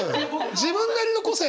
自分なりの個性！